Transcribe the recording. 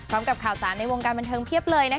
พร้อมกับข่าวสารในวงการบันเทิงเพียบเลยนะคะ